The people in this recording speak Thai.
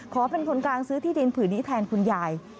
ขอเป็นคนกลางซื้อที่ดินผืนนี้แทนคุณยาย